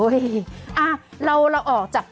ถอครับไว้ไป